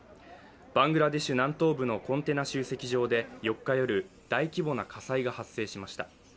バングラデシュ南東部のコンテナ集積場で４日夜、大規模な火災が発生しました。